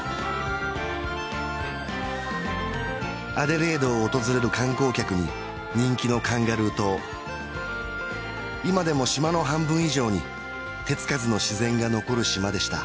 アデレードを訪れる観光客に人気のカンガルー島今でも島の半分以上に手つかずの自然が残る島でした